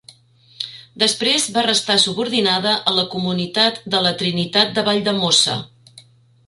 Després va restar subordinada a la comunitat de la Trinitat de Valldemossa.